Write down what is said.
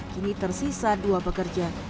kini tersisa dua pekerja